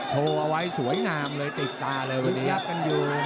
โชว์เอาไว้สวยงามเลยติดตาเลยวันนี้